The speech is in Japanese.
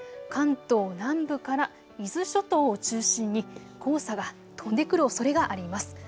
関東南部から伊豆諸島を中心に黄砂が飛んでくるおそれがあります。